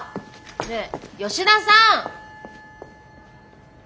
ねえ吉田さん！